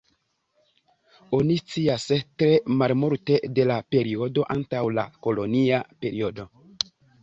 Oni scias tre malmulte de la periodo antaŭ la kolonia periodo.